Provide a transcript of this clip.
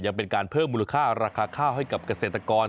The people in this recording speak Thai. ยังเป็นการเพิ่มมูลค่าราคาข้าวให้กับเกษตรกร